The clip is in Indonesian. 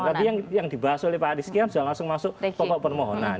tapi yang dibahas oleh pak ariskian sudah langsung masuk pokok permohonan